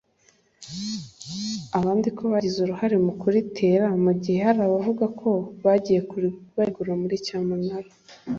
abandi ko bagize uruhare mu kuritera mu gihe hari n’abavuga ko bagiye barigura muri cyamunara